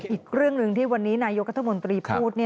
อีกเรื่องหนึ่งที่วันนี้นายกรัฐมนตรีพูด